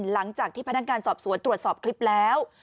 หลังจากที่พนักงานสอบสวนตรวจสอบคลิปแล้ว